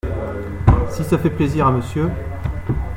Si ça fait plaisir à Monsieur…